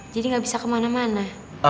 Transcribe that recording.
jadi gak bisa kemana mana